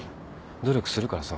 努力するからさ